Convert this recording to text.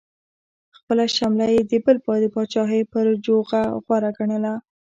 خپله شمله یې د بل د پاچاهۍ پر جوغه غوره ګڼله.